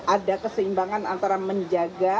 ada keseimbangan antara menjaga